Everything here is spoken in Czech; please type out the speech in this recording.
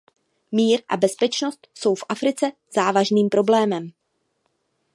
Mír a bezpečnost jsou v Africe závažným problémem.